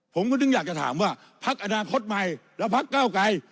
ผมก็ถึงอยากจะถามว่าพักอนาคตใหม่แล้วพักเก้าไกร